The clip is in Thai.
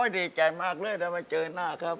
ได้มาเจอหน้าครับ